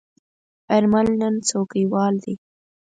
آرمل نن څوکیوال دی.